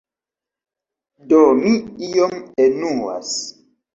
Do mi iom enuas.